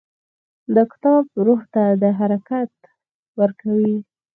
دا کتاب روح ته حرکت ورکوي.